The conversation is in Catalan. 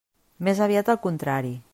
Més aviat al contrari.